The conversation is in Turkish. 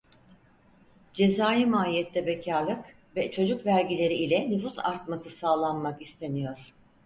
Cezai mahiyette bekârlık ve çocuk vergileri ile nüfus artması sağlanmak isteniyor.